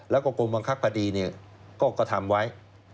แล้วก็กลมบังคักประดีก็ทำไว้